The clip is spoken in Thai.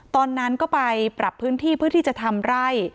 ตอนนั้นก็ไปปรับพื้นที่เพื่อที่จะทำไร่